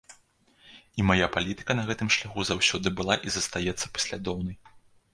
І мая палітыка на гэтым шляху заўсёды была і застаецца паслядоўнай.